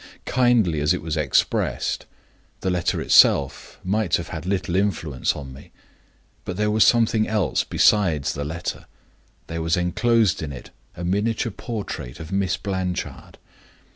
"Kindly as it was expressed, the letter itself might have had little influence on me. But there was something else besides the letter; there was inclosed in it a miniature portrait of Miss Blanchard.